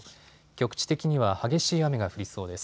局地的には激しい雨が降りそうです。